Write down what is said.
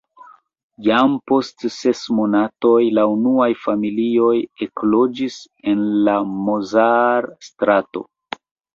Jam post ses monatoj la unuaj familioj ekloĝis en la Mozart-strato.